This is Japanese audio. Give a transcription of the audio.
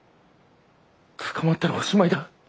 捕まったらおしまいだ。